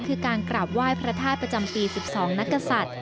คือการกราบไหว้พระธาตุประจำปี๑๒นักศัตริย์